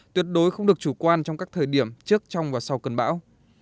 tuyệt đối không được chủ quan trong các thời điểm trước trong và sau cơn bão